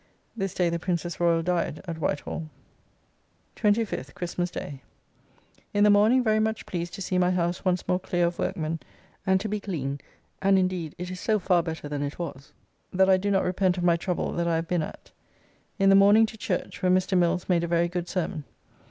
This day the Princess Royal died at Whitehall. 25th (Christmas day). In the morning very much pleased to see my house once more clear of workmen and to be clean, and indeed it is so, far better than it was that I do not repent of my trouble that I have been at. In the morning to church, where Mr. Mills made a very good sermon.